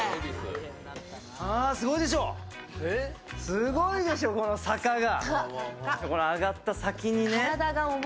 すごいでしょ、この坂が。